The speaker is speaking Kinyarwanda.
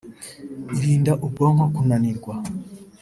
irinda ubwonko kunanirwa